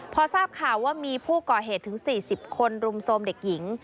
พอทราบข่าวว่ามีผู้ก่อเหตุถึง๔๐คนรุมโทรมเด็กหญิง